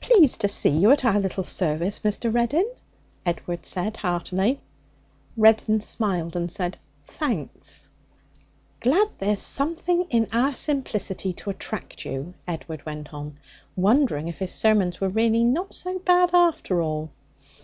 'Pleased to see you at our little service, Mr. Reddin,' Edward said heartily. Reddin smiled and said, 'Thanks.' 'Glad there's anything in our simplicity to attract you,' Edward went on, wondering if his sermons were really not so bad, after all.